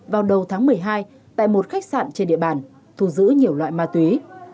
vào đầu tháng một mươi hai tại một khách sạn trên địa bàn thu giữ nhiều loại ma túy